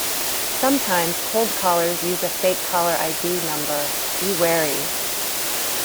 Sometimes cold callers use a fake caller id number. Be wary.